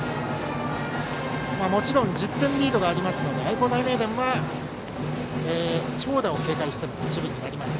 もちろん１０点リードがありますので愛工大名電は長打を警戒しての守備になります。